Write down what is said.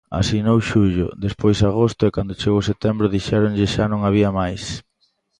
Asinou xullo, despois agosto e cando chegou setembro dixéronlle xa non había máis.